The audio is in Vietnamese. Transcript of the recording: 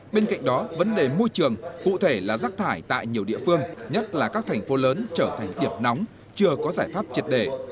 bên cạnh đó vấn đề môi trường cụ thể là rác thải tại nhiều địa phương nhất là các thành phố lớn trở thành điểm nóng chưa có giải pháp triệt đề